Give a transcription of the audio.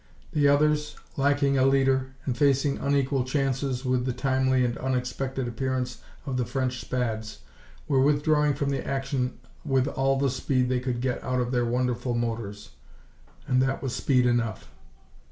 The others, lacking a leader, and facing unequal chances with the timely and unexpected appearance of the French Spads, were withdrawing from the action with all the speed they could get out of their wonderful motors. And that was speed enough.